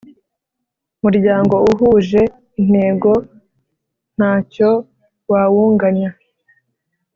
muryango uhuje intego ntacyo wawunganya